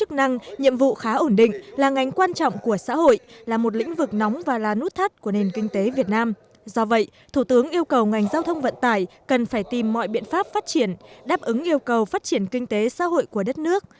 thủ tướng nguyễn xuân phúc